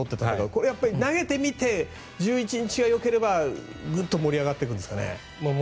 これは投げてみて１１日がよければグッと盛り上がっていくんですかね。